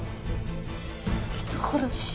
人殺し。